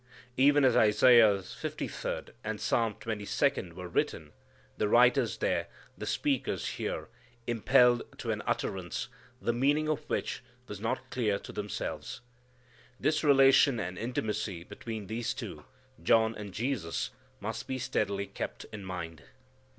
Even as Isaiah fifty third, and Psalm twenty second were written, the writers there, the speaker here, impelled to an utterance, the meaning of which, was not clear to themselves. This relation and intimacy between these two, John and Jesus, must be steadily kept in mind.